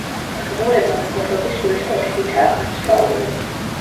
თხზულება მეგობრობის სულისკვეთებითაა გამსჭვალული.